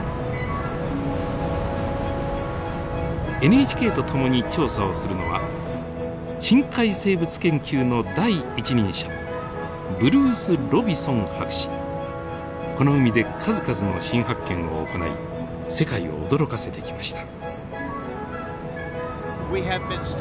ＮＨＫと共に調査をするのは深海生物研究の第一人者この海で数々の新発見を行い世界を驚かせてきました。